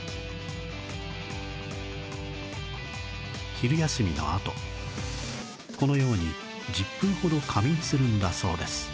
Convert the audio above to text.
昼休みのあとこのように１０分ほど仮眠するんだそうです